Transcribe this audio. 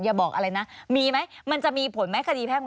อย่าบอกอะไรนะมีไหมมันจะมีผลไหม